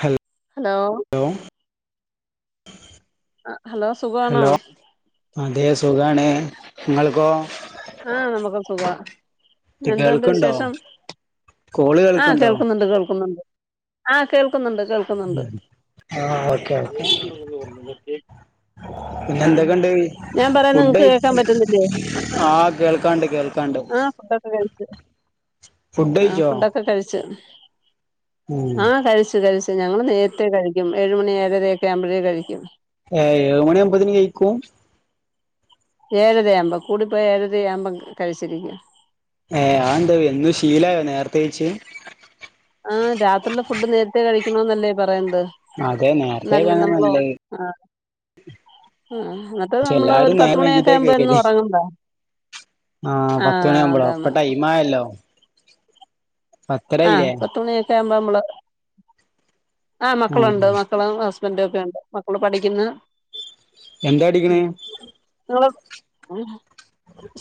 ഹ hello ആഹ് hello സുഖമാണോ hello അതെ സുഖണേ നിങ്ങൾക്കോ ആഹ് നമ്മക്ക് സുഖവാ എന്തണ്ട് കേൾക്കണ്ടോ വിശേഷം കോള് ആഹ് കേൾക്കണ്ടോ കേൾക്കുന്നുണ്ട് കേൾക്കുന്നുണ്ട് ആഹ് കേൾ കേണ്ട് കേൾക്കുന്നുണ്ട് ആഹ് ഓക്കെ ഓക്കെ പിന്നെ ആഹ് എന്തൊക്കെണ്ട് ഞാൻ പറയന്നേ ഫുഡ് നിങ്ങക്ക് കേക്കാൻ പറ്റുന്നില്ലേ ആഹ് കേൾക്കാണ്ട് കേൾക്കാണ്ട് ആഹ് ഫുഡൊക്കെ കഴിച്ച ഫുഡ് ആഹ് കഴിച്ചോ ഫുഡക്കെ കഴിച്ചു ഉം ആഹ് കഴിച്ചു കഴിച്ചു ഞങ്ങൾ നേ ത്തെ കഴിക്കും ഏഴുമണി ഏഴരക ആവ്മ്പഴേ കഴിക്കും ഏഹ് ഏഴ മണിയുമ്പോത്തന് കഴിക്കും ഏഴരയാകുമ്പോ കൂടിപ്പോയി ഏഴരയാകുമ്പോം കഴിച്ചിരിക്കും ഏഹ് ആന്താ എന്നും ശീലായോ നേരത്തെ കഴച്ച ആഹ് രാത്രിയിലെ ഫുഡ് നേരത്തെേ കഴിക്കണന്നല്ലേ പറയത് അതെ നേരത്തെ നല്ല കഴിക്കാനാ നമ്മള നല്ലത് ആഹ് ആഹ് എന്നിട്ട് പക്ഷെ നമ്മള് എല്ലാരും ഒരു നേരം പത്ത്മണിയൊക്കെ വൈകീട്ടാ ആവുമ്പോ എന്നും കഴിക്കല് ഉറങ്ങണ്ടോ ആഹ് പത്തുമണിയാവുമ്പോഴോ അതാണ് പ്പട്ടൈമായല്ലോ ആഹ് പത്തുമണിയൊക്കെ ആവുമ്പോ നമ്മള് ആഹ് മക്കളുണ്ട് മക്കള ഒക്കെണ്ട് മക്കള് പഠിക്കുന്ന എന്താ പഠിക്കണേ നിങ്ങള്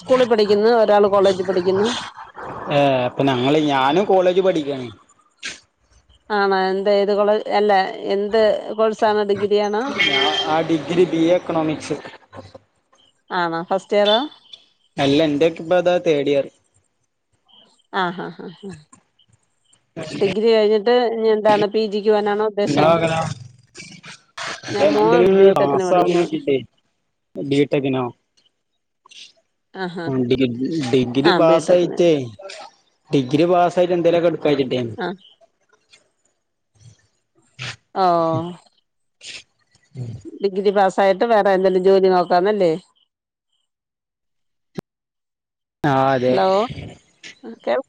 സ്കൂളിൽ പഠിക്കുന്ന ഒരാള് കോളേജിൽ പഠിക്കുന്നു ഏഹ് അപ്പൊ ഞങ്ങള് ഞാനും കോളേജ് പഠിക്കാണ് ആണ എന്താ ഇത് കൊള അല്ല എന്ത് കൊ ഞ ആഹ് ഡിഗ്രി ബി എ എക്കണോമിക്സ് ആണ ഫസ്റ്റ് ഇയറ അല്ല എന്റെയൊക്കെ ഇപ്പ അതാ തേടിയറ് ആഹ് ആഹ് ആഹ് ഡിഗ്രി കഴിഞ്ഞിട്ട് എന്താണ് പി ജിക്ക ക്ക്വാനാണോ ഇങ്ങള മകനോ ഞാൻ മോൻ എന്തലും ബിടെക്കിന് പസവാൻ പഠിക്കുന്ന് നോക്കിട്ടേ വീട്ടക്കിനോ ആഹ് ആഹ് ഡിഗ ഡിഗ്രി ആഹ് പാസ് ബിടെക്കിന് ആയിട്ടേ ഡിഗ്രി പാസ്സായിട്ട് എന്തേലൊക്കെ എടുക്കാചിട്ടേ അ ഓഹ് ഉം ഡിഗ്രി പാസ്സ ആയിട്ട് വേറെ എന്തെലും ജോലി നോക്കാന്നല്ലേ [inaudible] ആഹ് അതെ ഹലോ കേൾ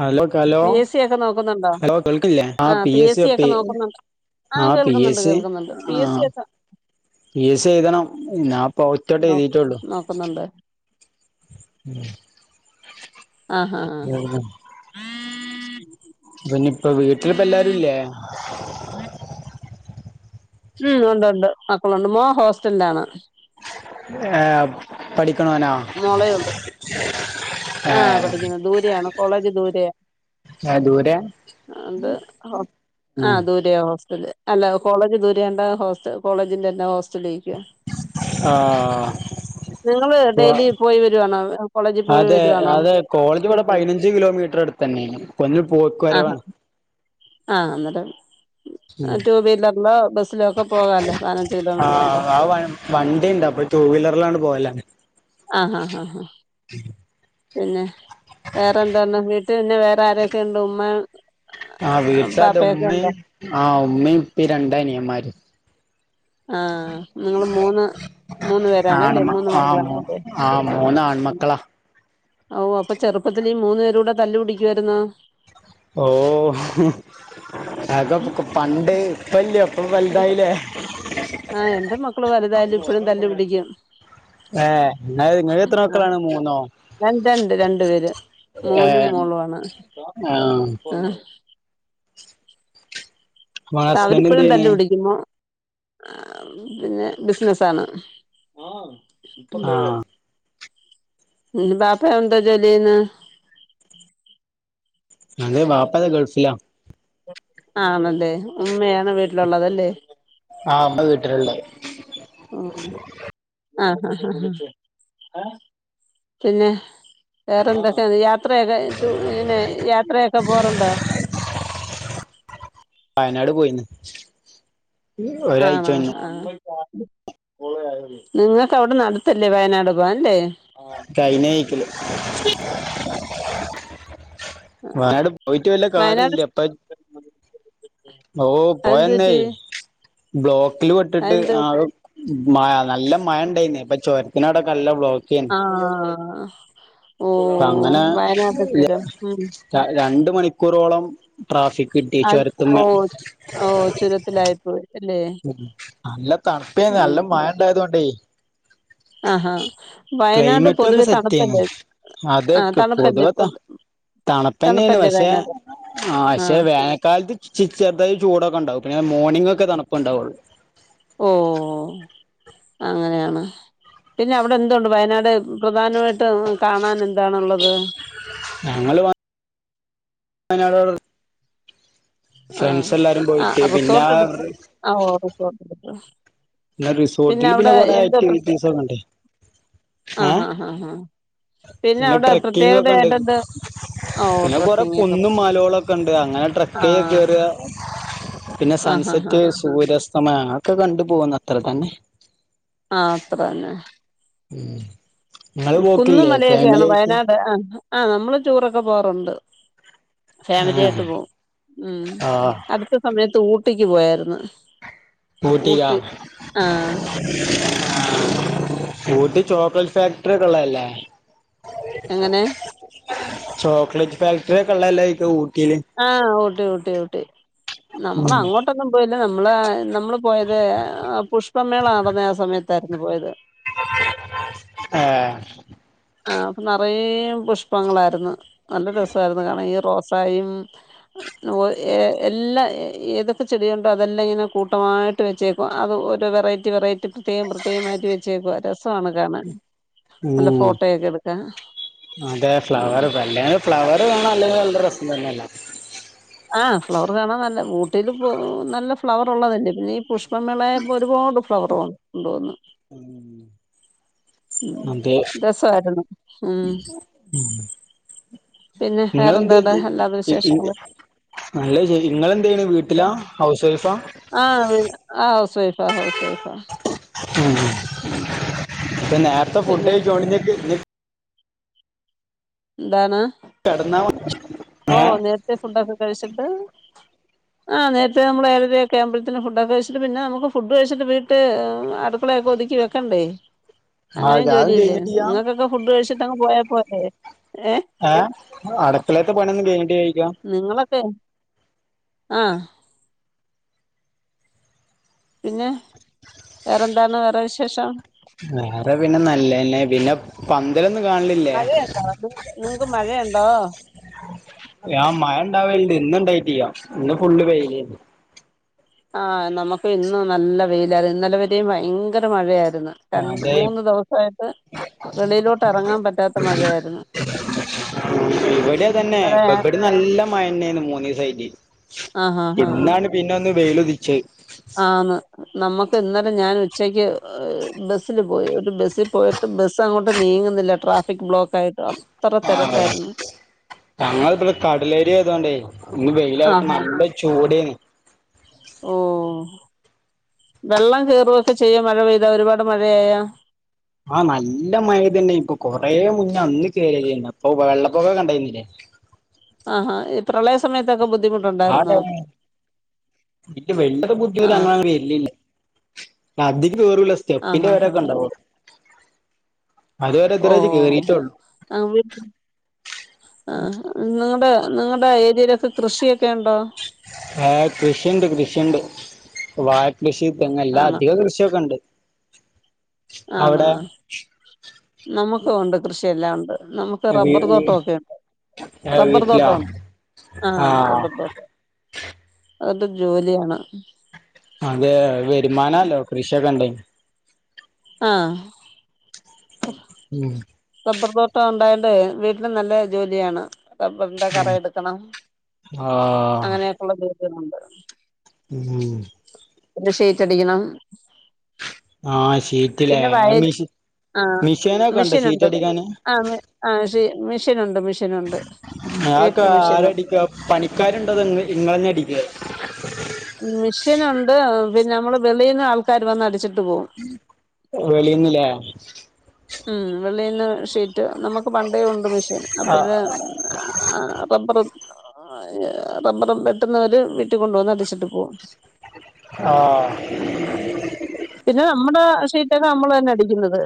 ഹലോ കലോ പി എസ് സി ഒക്കെ നോക്കുന്നുണ്ടോ ഹലോ കേൾക്കില്ലേ ആ ആഹ് പി എസ് സി ഒക്കെ സപ്പി നോക്കുന്നുണ്ടോ ആഹ് പി കേൾക്കുന്നുണ്ട് എസ് സി കേൾക്കുന്നുണ്ട് പി എസ് സി ആഹ് ഒക്കെ പി എസ് സി എഴ്തണം പിന്നാ നോ നോക്കുന്നുണ്ട് [inaudible] ആഹ് ഹാഹ് പിന്നെ ഇപ്പ വീട്ടിലിപ്പ എല്ലാരും ഇല്ലേ ഉം ഉണ്ട് ഉണ്ട് മക്കളുണ്ട് മോൻ ഹോസ്റ്റൽലാണ് ഏഹ് പഠിക്ക്ണോനാ മോളെയൊള്ളു [inaudible] ആഹ് പഠിക്കുന്നത് ദൂരെയാണ് കോളേജ് ദൂരെയാണ് ഏഹ് ദൂരെ അത് ഉം ആഹ് ദൂരെയാ ഹോസ്റ്റല് അല്ല കോളേജ് ദൂരെയാണ്ടാ ഹോസ്റ്റൽ കോളേജിന്റെ തന്നെ ഹോസ്റ്റലേയ്ക്കുവാ ആഹ് നിങ്ങള് അപ്പൊ ഡെയിലി പോയി വരുവാണോ കോളേജിൽ പോയി അതെ വര് അതെ കോളേജ് ഇവിടെ പയ്നഞ്ച് കിലോമീറ്റർ അടുത്തന്നേണ് ഇപ്പൊല്ല് പോക്ക് ആഹ് വരവാണ് ആഹ് അന്നേരം ഉം ട്ടു വീലർലോ ബസ്സിലോ ഒക്കെ പോവാല്ലേ പത്നഞ്ച് കിലോമീറ്റർ ആവുമ്പോ ആഹ് ആ വണ്ടിണ്ട് അപ്പൊ ടൂവീലർലാണ് പോവലങ്ങട്ട് ആഹ് ആഹ് ഹാഹ് പിന്നെ വേറെ എന്താന്ന് വീട്ട് പിന്നെ വേറെ ആരെക്കെണ്ട് ഉമ്മാ ആഹ് വീട്ടത് ഉമ്മിം ആഹ് ഉമ്മിം ഉപ്പിം രണ്ട അനിയന്മാര് ആഹ് നിങ്ങള് മൂന്ന് മൂന്ന് പേരാണല്ലേ ആണ്മ മൂന്ന് ആഹ് മൂ മക്കളാണല്ലേ ആഹ് മൂന്ന് ആൺമക്കളാ അവൂ അപ്പ ചെറുപ്പത്തില് ഈ മൂന്ന് പേരൂടെ തല്ലൂടിക്കുവായ്ര്ന്നോ ഓഹ് അതൊക് പണ്ട് ഇപ്പല്ല്യാ ഇപ്പം വൽതായിലേ [inaudible] ആഹ് എന്റെ മക്കള് വലുതായാലും ഇപ്പഴും തല്ല് പിടിക്കും ഏഹ് ഇങ്ങള് ഇങ്ങക്ക് എത്ര ആഹ് മക്കളാണ് മൂന്നോ രണ്ട് അണ്ട് രണ്ട് പേര് മോനും ഏഹ് മോളും ആണ് ആഹ് ആഹ് ങ്ങളെ ആഹ് ഹസ്ബൻഡ് എന്ത് അവരിപ്പഴും ചെയ്യണ് തല്ല് പിടിക്കുമോ പിന്നെ ബിസിനസാണ് ആഹ് ഉം ബാപ്പ എന്താ ജോലെയ്യ്ന്ന് അതെ വാപ്പത്‌ ഗൾഫിലാ ആണല്ലേ ഉമ്മയാണ് വീട്ടിലുള്ളത് അല്ലേ ആഹ് അമ്മ വീട്ടിലുള്ള് ഓഹ് ആഹ് ആഹ് ഹ് പിന്നെ വേറെന്തൊക്കെയ യാത്രയൊക്കെ പിന്നെ യാത്രയൊക്കെ പോറുണ്ടോ വയനാട് പോയിന്ന് ആഹ് ഒരാഴ്ച ആഹ് മുന്നെ ഹാ നിങ്ങക്ക് അവിട്ന്ന് അട്ത്തല്ലേ വയനാട് പോവാൻല്ലേ കയ്ഞ്ഞ വീക്ക്ല് വയനാട് പോയിട്ട് വല്ല കാര്യ വയനാട് ഇല്ല ഇപ്പറ്റ് ഓഹ് അതെന്ത് പറ്റി പോയന്നെയ് ബ്ലോക്കില് പെട്ടിട്ട് അതെന്ത് ആകെ മഴ നല്ല മഴ ഉണ്ടായിന്. അപ്പോ ചോരത്തിന്റെ അവിടെ യൊക്കെ നല്ല ബ്ലോക്കെനും. ആ, ഓ അപ്പ അങ്ങനെ വയനാട് ചുരം ഉം. രണ്ട് മണിക്കൂറോളം. അ, ട്രാഫിക് കിട്ടി [unintelligible] ഓ ചുരത്തുമ്മേ ഓ ചുരത്തിലായിപ്പോയി ല്ലേ. ഉം. നല്ല തണുപ്പേനും. നല്ല മഴണ്ടായത് കൊണ്ടേ. ആഹാ, വയനാട് പൊതുവെ തണുപ്പ് അല്ലെ? അതെ പൊതുവേ ത തണുപ്പ് തന്നെണ്. തണുപ്പല്ലേ പക്ഷേ വയനാട് ആ പക്ഷേ വേനൽക്കാലത്ത് ചെറുതായി ചൂടൊക്കെണ്ടാവും. പിന്നെ മോണിംഗങ്ക്കെ തണുപ്പുണ്ടാവുള്ളൂ. ഓ, അങ്ങനെയാണ്. പിന്നെ അവിടെ എന്തുണ്ട്? വയനാട് പ്രധാനമായിട്ട് കാണാൻ എന്താണുള്ളത്? ഞങ്ങൾ വായനാട് ആ, ആ പോയിട്ട് പിന്നെ റിസോർട്ട് എടുത്ത്, പിന്നെ ആ റിസോർട്ട് എടുത്ത് പിന്നെ റിസോർട്ടിൽ പിന്നെ അവിടെ കൊറെ എന്താ ആക്ടിവിറ്റീസ് ഒക്കെ ഉണ്ട്. ഏ ആഹ, ആഹ, ആഹ. പിന്നെ അവിടെ ട്രെക്കിങ് ഒക്കെ ഉണ്ട് പ്രത്യേകതയായിട്ട് എന്ത് ഓ ട്രക്കിങ്ങ് ഒക്കെ പോ ക്കണ്ട് അങ്ങനെ ട്രക്കി ക്കെറ. പിന്നെ ആഹ് ആഹ് സൺസെറ്റ് സൂര്യാസ്തമയ അതു ഒക്കെ കണ്ടു പോന്നു. അത്ര തന്നെ. ആ, അത്ര ന്നെ. ഉം. കുന്നും മലയൊക്കെ ആണ് വയനാട്. ആ, ആ നമ്മൾ ടുർഒക്ക പോകറുണ്ട്. ഫാമിലി ആ ആയിട്ട് പോവും. ഉം. ആ അടുത്ത സമയത്ത് ഊട്ടിക്ക് പോയായിരുന്നു. ഊട്ടി ആ, ആഹ് ഊട്ടി ചോക്ലേറ്റ് ഫാക്ടറി ഒക്കെ ഉള്ളല്ലേ? എങ്ങനെ? ചോക്ലേറ്റ് ഫാക്ടറിക്കെ ഉള്ളത് ല്ലൊ ഊട്ടിയില്. ആ, ഊട്ടി ഊട്ടി ഊട്ടി നമ്മള് അങ്ങോട്ട് അങ്ങട്ടൊന്നും പോയില്ല. നമ്മളാ നമ്മള് പോയത് പുഷ്പമേള നടന്ന ആ സമയത്തായിരുന്നു പോയത്. ആഹോ [unintelligible] [inaudible] ആ, അപ്പോ നറൊ പുഷ്പങ്ങളായിരുന്നു. നല്ല രസമായിരുന്നു. കാണ ഈ റോസയും. എല്ലാ ഏതൊക്കെ ചെടിയുണ്ടോ അതെല്ലാം ഇങ്ങനെ കൂട്ടമായിട്ട് വെച്ചേക്ക. അപ്പോൾ അത് ഓര് വെറൈറ്റി വെറൈറ്റി പ്രത്യേക പ്രത്യേകമായിട്ട് വച്ചേക്കുക രസമാണ്. കാണാൻ നല്ല ഉം. ഫോട്ടോയൊക്കെ എടുക്കാൻ അതെ ആഹ് ഫ്ലവർ ബല്ലേ. ഫ്ലവറ് കാണാൻ അല്ലെങ്കിൽ നല്ല രസം തന്നെയല്ലൊ. ആ, ഫ്ലവർ കാണാൻ നല്ല. ഊട്ടിൽ നല്ല ഫ്ലവർ ഉള്ളത് ല്ലെ. പിന്നെ ഈ പുഷ് പുഷ്പമേള ആയപ്പോൾ ഒരുപാടു ഫ്ലവർ കൊണ്ടുവന്ന് ഉംഹ് ഉം [inaudible] അതെ. രസമായിരുന്നു ഉം ഇന്നലെ പിന്നെ വേറെന്താടെ എന്തുപറ്റി [unintelligible] അല്ലാതെ വിശേഷങ്ങൾ നല്ലത് ചെയ്യിൻ. ഇങ്ങളെന്താ വീട്ടിലാ ഹൗസ് വൈഫാ. ആ, വി ആ. ഹൗസ് വൈഫാ ഹൗസ് വൈഫാ. ഉം. ഉം നേരത്തെ ഫുഡ് പിന്നെ കഴിച്ചോണ്ടനിക്ക് എന്താണ്? കെടന്നാമതി. ഓ, നേരത്തെ ഫുഡൊക്കെ കഴിച്ചിട്ട് ആഹ് നേര്ത്തെ നമ്മളെ ഏഴരൊക്കാവുമ്പോത്തിന് ഫുഡൊക്കെ കയിച്ചിട്ട് പിന്നെ മ്മക്ക് ഫുഡ് കഴിച്ചിട്ട് വീട്ട് അടു ക്കളെയൊക്ക ഒതുക്കി വെക്കണ്ടേ ആഹ് അങ്ങനെയും അതും ജോലിയില്ലേ കഴിഞ്ഞിട്ടില്ല നിങ്ങക്കൊക്കെ ഫുഡ് കഴിച്ചിട്ടങ്ങ് പോയാപോരെ ഏഹ് ഏഹ് അടക്കളേത്തെ പണിയൊന്നും കൈഞ്ഞിട്ടില്ലേ ചോയ്ക്കാ നിങ്ങളൊക്കെ ആഹ് പിന്നെ വേറെന്താണ് വേറെവിശേഷം വേറെ പിന്നെ നല്ലേന്നെ പിന്നെ പന്തളിയൊന്നും കാണലില്ലേ മഴയുണ്ടോ നിങ്ങക്ക് മഴയുണ്ടോ ആഹ് മഴണ്ടാവൽണ്ട് ഇന്ന്ണ്ടായ്ട്ടിയ്യ ഇന്ന് ഫുളള് വെയിലേന്നു ആഹ് നമക്ക് ഇന്നുനല്ല വെയിലായിരുന്നു ഇന്നലെ വരെയും ഭയങ്കര മഴയായിര്ന്ന് രണ്ട് അതെ മൂന്ന് ദെവസായിട്ട് വെളിയിലോട്ട് എറങ്ങാ പറ്റാത്ത മഴയായിര്ന്നു ഇവിടിതന്നെ ഇന്നലെ ഇപ്പൊ ഇവിടെ നല്ല മഴന്നേന്ന് മൂന്നീസായിറ്റ് ആഹ് ഹാ ഹാ ഇന്നാണ് പിന്നൊന്ന് വെയിലുതിച്ചത് ആന്ന് നമ്മക്ക് ഇന്നലെ ഞാൻ ഉച്ചയ്ക്ക് ബെസ്സില് പോയി ഒരു ബെസ്സിൽ പോയ ട്ട് ബസ് അങ്ങോട്ട് നീങ്ങുന്നില്ല ട്രാഫിക് ബ്ലോക്കായിട്ട് അത്ര തെരക്കായിരുന്ന് ഞങ്ങളിബടെ കടലേരിയയതോണ്ടേ ഇന്ന് വെയിലായിട്ട് ആഹാ നല്ല ചൂടേയ്ന് ഓഹ് വെള്ളം കേറോക്കെ ചെയ്യോ മഴ പെയ്താ ഒരുപാട് മഴയായാ ആഹ് നല്ല മയതന്നെ ഇപ്പൊ കൊറേ മുന്നേ അന്ന് കേരിയാര്ന്നു അപ്പൊ വെള്ളപ്പൊക്കകണ്ടായിരുന്നില്ലേ ആഹ് ഹാ ഈ പ്രളയസമയത്തൊക്കെ ബുദ്ധിമു ആ ടൈം [unintelligible] ആഹ് ബുദ്ധിമുട്ടങ്ങന വെരലില്ല ആതിക്ക് കേറുല്ലാ ആഹ് ആഹ് ആഹ് സെറ്റപ്പിന്റെവരൊക്കെണ്ടാവുള്ളൂ ഓഹ് കേറിട്ടൊള്ളു ആഹ് വി ആഹ് നിങ്ങളുടെ നിങ്ങൾടെ ഏരിയിലൊക്കെ കൃഷിയൊക്കെ ഇണ്ടോ ആഹ് കൃഷിണ്ട് കൃഷിണ്ട് വായ കൃഷി തെങ്ങല്ലെ ആണോ അധിക കൃഷി ഷിയൊക്കണ്ട് ആണാ നമ്മുക്കുണ്ട് കൃഷിയെല്ലാം ഉണ്ട് നമക്ക് വീ റബ്ബറ് വീ തോട്ടോക്കെയുണ്ട് ഏ റബ്ബറ് വീട്ടിലാ തോട്ടുണ്ട് ആ ആഹ് റബ്ബർ തോട്ടം അത്‌ ജോലിയാണ് അതെ വെരുമാനാല്ലോ കൃഷിയൊക്കെണ്ടെങ്കി ആഹ് ഉം റബ്ബർ തോട്ടോണ്ടായോണ്ട് വീട്ടില് നല്ല ജോലിയാണ് റബ്ബറിന്റെ കറ എടുക്കണം ആ അങ്ങനെയൊക്കെയുള്ള രീതിളുണ്ട് ഉം ഉം. പിന്നെ ഷീറ്റടിക്കണം ആഹ് ഷീറ്റ്ലേ ആഹ് വയൽ മിഷി ആഹ് മിഷീനൊക്കണ്ടോ മെഷീനുണ്ട് ഷീറ്റടിക്കാന് ആഹ് ആഹ് ഷീ മിഷിനുണ്ട് മിഷീനുണ്ട് ആഹ് അതൊക്കാരടിക്കാ പണിക്കാരുണ്ടോ അതോ ഇങ്ങ ഇങ്ങളന്നെ അടിക്കേ മിഷിനുണ്ട് ഏഹ് പിന്നെ നമ്മള് വെളീന്ന് ആൾക്കാര് വന്ന് അടിച്ചിട്ട് പോകും വെളീന്ന് ലേ ഉം വെളീന്ന് ഷീറ്റ് നമുക്ക് പണ്ടേ ഉണ്ട് മെഷീൻ ആ അപ്പഴേ ആഹ് റബ്ബർഏഹ് റബ്ബറും വെട്ടുന്നവര് വീട്ടികൊണ്ടോന്ന് അടിച്ചി ട്ട് പോവും. ആഹ് ആഹ്, പിന്നെ നമ്മടെ ഷീറ്റൊക്കെ നമ്മള് തന്നെ അടിക്കുന്നത്.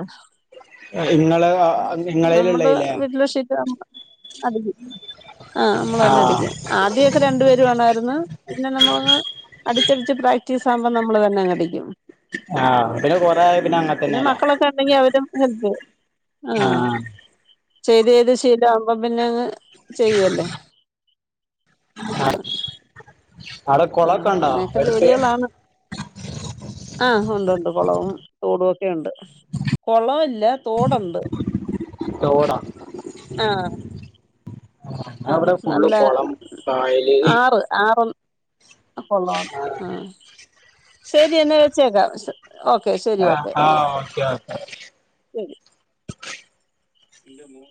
ഇങ്ങള് നമ്മുടെ ഇങ്ങളേലുള്ളതില്ലേ വീട്ടിലെ ഷീറ്റ് നമ്മ അടിക്കും ആഹ് നമ്മള് ആ തന്നെ അടിക്ക്. ആദ്യയൊക്കെ രണ്ടു പേര് വേണായിരുന്നു പിന്നെ നമ്മള് അടിച്ചടിച്ച് പ്രാക്ടീസ് ആവുമ്പോ നമ്മൾ തന്നെ അങ്ങ് അടിക്കും ആഹ് പിന്നെ കൊറേ ആയ പിന്നെ അങ്ങ [unintelligible] ഇണ്ടെങ്കിൽ അവനും [unintelligible] ആഹ് ചെയ്ത് ചെയ്ത് ശീലാവുമ്പോ പിന്നെ അങ്ങ് ചെയ്യുവല്ലേ, ആഹ്. [unintelligible] ആഹ്, ഉണ്ടോ അങ്ങനെയൊക്കെ അടുത്ത് ജോലികളാണ്. ആഹ് ഉണ്ട്, ഉണ്ട് കുളവും തോടും ഒക്കെ ഉണ്ട്. കുളം ഇല്ല തോടുണ്ട്. തോടാ ആഹ്. ആഹ് ഞങ്ങളവിടെ ഫുള്ള് നല്ല കൊളം കായല് ആറ്, ആറ് കുളം, ആഹ് ശരി എന്നാ വെച്ചേക്കാം ഓക്കെ ശരി ആഹ് ഓക്കെ ആഹ് ഓക്കെ ഓക്കെ ശരി. ഇല്ല മൂ